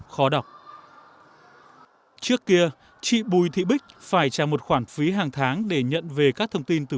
khó đọc trước kia chị bùi thị bích phải trả một khoản phí hàng tháng để nhận về các thông tin từ